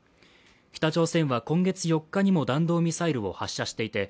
北朝鮮は今月４日にも弾道ミサイルを発射していて、